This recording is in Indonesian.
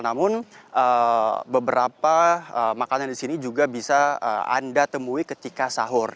namun beberapa makanan di sini juga bisa anda temui ketika sahur